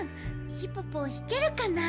ヒポポひけるかなあ？